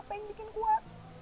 apa yang bikin kuat